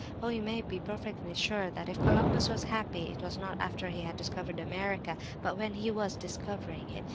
Oh, you may be perfectly sure that if Columbus was happy, it was not after he had discovered America, but when he was discovering it!